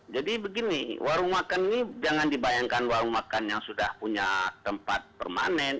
jadi begini warung makan ini jangan dibayangkan warung makan yang sudah punya tempat permanen